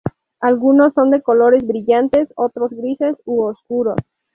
Algunos son de colores brillantes, otros grises u oscuros.